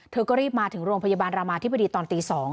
เธอก็รีบมาถึงโรงพยาบาลรามาธิบดีตอนตี๒